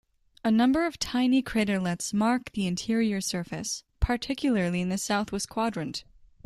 A number of tiny craterlets mark the interior surface, particularly in the southwest quadrant.